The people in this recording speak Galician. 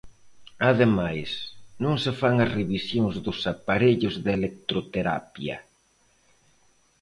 Ademais, non se fan as revisións dos aparellos de electroterapia.